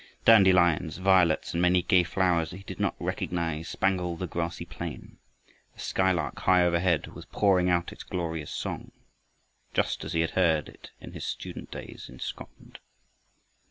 Dandelions, violets, and many gay flowers that he did not recognize spangled the grassy plain. The skylark high overhead was pouring out its glorious song, just as he had heard it in his student days in Scotland.